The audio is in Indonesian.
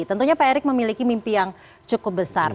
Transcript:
tentunya pak erick memiliki mimpi yang cukup besar